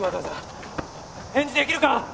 返事できるか！？